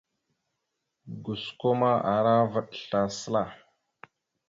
Osko ma ara vaɗ slasəla.